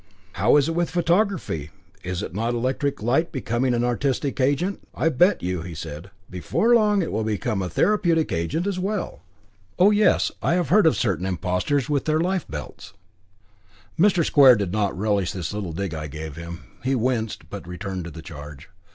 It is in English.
How is it with photography? Is not electric light becoming an artistic agent? I bet you," said he, "before long it will become a therapeutic agent as well." "Oh, yes; I have heard of certain impostors with their life belts." Mr. Square did not relish this little dig I gave him. He winced, but returned to the charge.